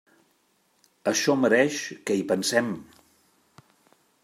Això mereix que hi pensem.